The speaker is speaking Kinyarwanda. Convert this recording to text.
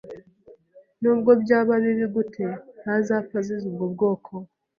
Nubwo byaba bibi gute, ntazapfa azize ubwo bwoko.